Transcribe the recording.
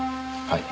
はい。